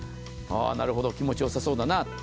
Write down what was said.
なるほど、気持ちよさそうだな。